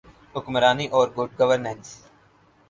حکمرانی اورگڈ گورننس۔